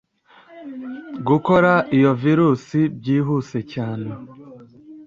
gukora iyo virusi byihuse cyane